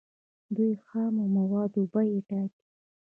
دوی د خامو موادو بیې ټاکي.